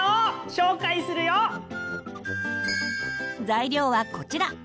材料はこちら。